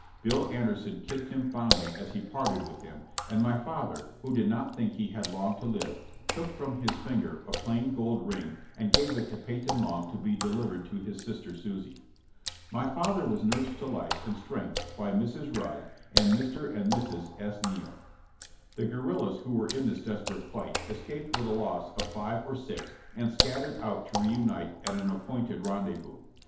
Bill Anderson kissed him fondly as he parted with him, and my father, who did not think he had long to live took from his finger a plain gold ring and gave it to Peyton Long to be delivered to his sister Susie. My father was nursed to life and strength by Mrs. Rudd and Mr. and Mrs. S. Neale. The guerrillas who were in this desperate fight escaped with a loss of five or six and scattered out to reunite at an appointed rendezvous.